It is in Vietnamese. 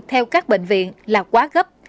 theo các bệnh viện là quá gấp